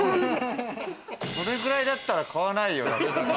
それくらいだったら買わないよ。